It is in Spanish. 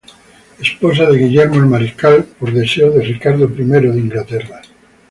Esposa de Guillermo el Mariscal por deseo de Ricardo I de Inglaterra.